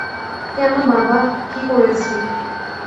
কেন বাবা, কী করেছি।